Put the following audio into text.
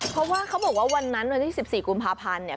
เพราะว่าเขาบอกว่าวันนั้นวันที่๑๔กุมภาพันธ์เนี่ย